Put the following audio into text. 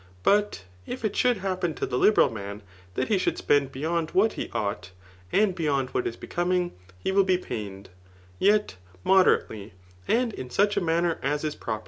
But if it should happoi to the liberal man that he should spend beycmd what he ought, and beyond what is becoming, he will be pained, yet moderately, and m such a manner as is prop^.